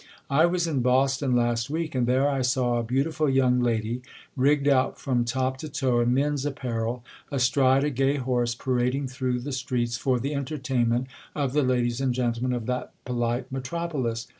I was in Boston last week, and there I saw a beautiful young lady, rigged out from top to toe in men's apparel, astride a gay horse, parading through the streets, for the entertain ment of fhe ladies and gentlemen of that polite metrop olis.